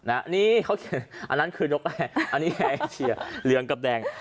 อันนั้นคือนกแออันนี้แอเชียเหลืองกับแดง